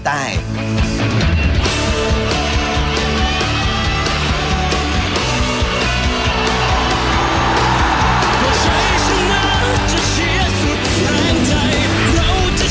ทุกคนสงสัยได้นะครับ